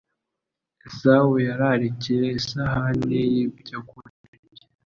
Esawu yararikiye isahani y’ibyokurya,